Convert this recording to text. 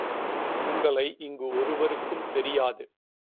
உங்களை இங்கு ஒருவருக்கும் தெரியாது.